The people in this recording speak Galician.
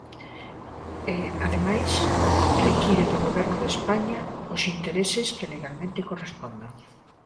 E, ademais, require do Goberno de España os intereses que legalmente correspondan.